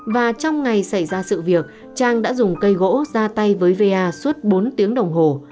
và trong ngày xảy ra sự việc trang đã dùng cây gỗ ra tay với va suốt bốn tiếng đồng hồ